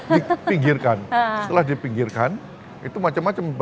dipinggirkan setelah dipinggirkan itu macam macam